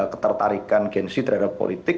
ketertarikan gensi terhadap politik